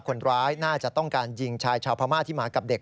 คนร้ายน่าจะต้องการยิงชายชาวพม่าที่มากับเด็ก